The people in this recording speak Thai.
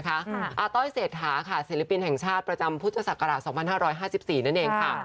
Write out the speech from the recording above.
อาต้อยเสดท้าศิลปินแห่งชาติประจำพุทธศักราช๒๕๕๔